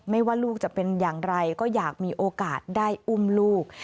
ว่าลูกจะเป็นอย่างไรก็อยากมีโอกาสได้อุ้มลูก